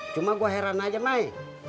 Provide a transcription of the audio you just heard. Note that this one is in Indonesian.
cuma gue heran aja main